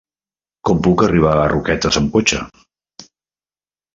Com puc arribar a Roquetes amb cotxe?